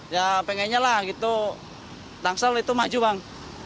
ya pengennya lah gitu tangsel itu maju bang